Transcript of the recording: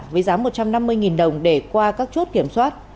với giá một trăm năm mươi đồng để qua các chốt kiểm soát